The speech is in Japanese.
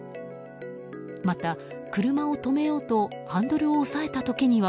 また、車を止めようとハンドルを押さえた時には。